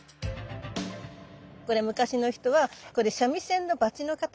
これ昔の人は三味線のバチの形？